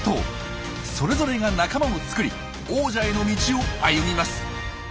それぞれが仲間を作り王者への道を歩みます。